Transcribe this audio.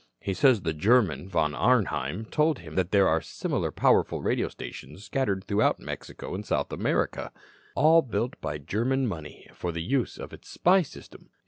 He says the German, Von Arnheim, told him that there are similar powerful radio stations scattered throughout Mexico and South America, all built by German money for the use of its spy system.